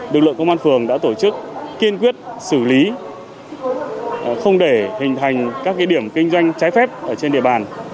lực lượng công an phường đã tổ chức kiên quyết xử lý không để hình thành các điểm kinh doanh trái phép ở trên địa bàn